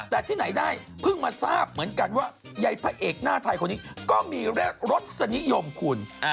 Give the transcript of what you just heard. แต่ที่ไหนได้เพิ่งมาทราบเหมือนกันว่าใยพระเอกหน้าไทยคนนี้ก็มีเรียกรสนิยมคุณ